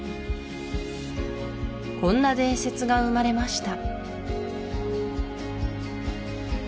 こんな伝説が生まれました